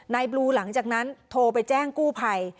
บลูหลังจากนั้นโทรไปแจ้งกู้ภัย